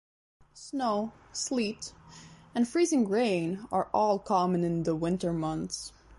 Snow, sleet, and freezing rain are all common in the winter months.